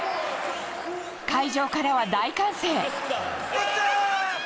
会場からは大歓声！